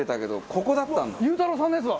ここだったんだ。